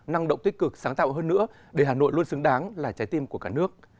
năng động tích cực sáng tạo hơn nữa để hà nội luôn xứng đáng là trái tim của cả nước